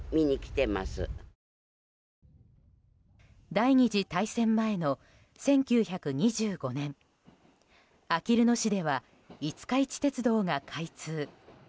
第２次大戦前の１９２５年あきる野市では五日市鉄道が開通。